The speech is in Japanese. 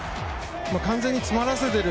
完全に詰まらせている。